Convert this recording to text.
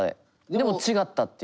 でも違ったっていう。